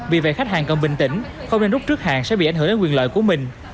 vì vậy khách hàng cần bình tĩnh không nên rút trước hàng sẽ bị ảnh hưởng đến quyền lợi của mình